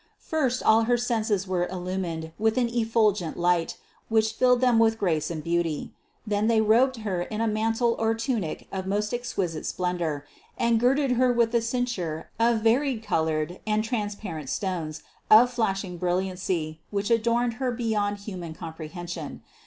First all her senses were illumined with an ef fulgent light, which filled them with grace and beauty. Then they robed Her in a mantle or tunic of most ex quisite splendor, and girded Her with a cincture of vary colored and transparent stones, of flashing brilliancy, which adorned Her beyond human comprehension.